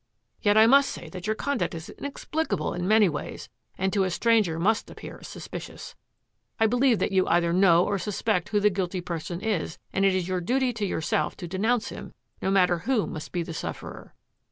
Yet I must say that your conduct Is Inexplicable In many ways and to a stranger must appear sus picious. I believe that you either know or sus pect who the guilty person Is and It Is your duty to yourself to denounce him, no matter who must be the sufferer."